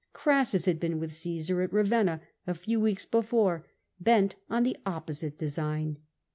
Crassus had been with Caesar at Ravenna a few weeks before, bent on the opposite design.